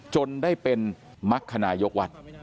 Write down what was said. จนได้เป็นมรรคนายกวัด